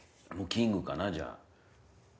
キングかなじゃあ。